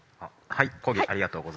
はい。